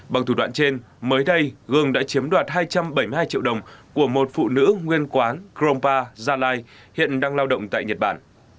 bằng thủ đoạn trên mới đây gương đã chiếm đoạt hai trăm bảy mươi hai triệu đồng của một phụ nữ nguyên quán grompa gia lai hiện đang lao động tại nhật bản